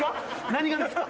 何がですか？